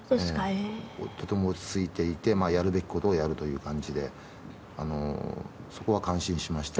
とても落ち着いていてやるべきことをやるという感じでそこは感心しましたね。